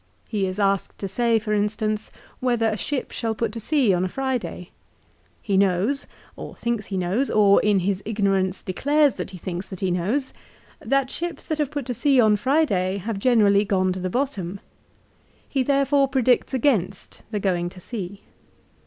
He is asked to say, for instance, whether a ship shall put to sea on a Friday. He knows, or thinks that he knows, or in his ignorance declares that he thinks that he knows, that ships that have put to sea on Friday have generally gone to the bottom. He therefore predicts against the going to sea.